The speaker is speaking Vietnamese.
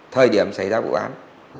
thời điểm xảy ra vụ án